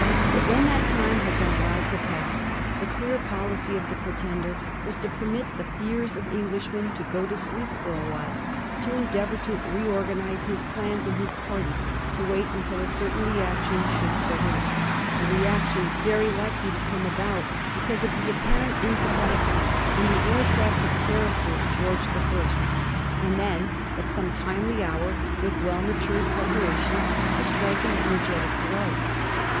But when that time had been allowed to pass the clear policy of the Pretender was to permit the fears of Englishmen to go to sleep for a while, to •endeavour to reorganise his plans and his party; to wait until a certain reaction should set in, a reaction very likely to come about because of the apparent inca pacity and the unattractive character of George the First, and then at some timely hour, with well matured preparations, to strike an energetic blow.